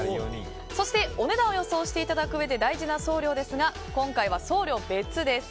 そしてお値段を予想していただくうえで大事な送料ですが今回は送料別です。